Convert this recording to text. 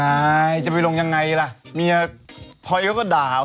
เอ้าเลือกรีงไปวู้ดอีกแล้ว